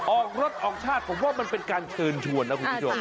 ออกรถออกชาติผมว่ามันเป็นการเชิญชวนนะคุณผู้ชม